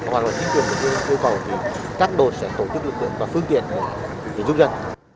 hoặc là chính quyền có những yêu cầu thì các đội sẽ tổ chức lực lượng và phương tiện để giúp dân